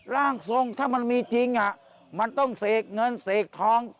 ร่างทรงถ้ามันมีจริงมันต้องเสกเงินเสกทอง